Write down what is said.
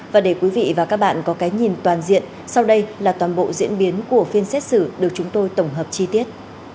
và để quý vị và các bạn có cái nhìn toàn diện sau đây là toàn bộ diễn biến của phiên xét xử được chúng tôi tổng hợp chi tiết